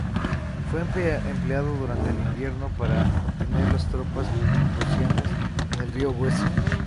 Fue empleado durante el invierno para contener las tropas prusianas en el río Weser.